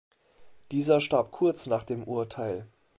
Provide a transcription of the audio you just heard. Dieser starb kurz nach dem Urteil.